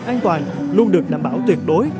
an toàn luôn được đảm bảo tuyệt đối